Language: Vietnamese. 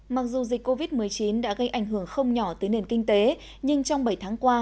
mặc dù dịch covid một mươi chín đã gây ảnh hưởng không nhỏ tới nền kinh tế nhưng trong bảy tháng qua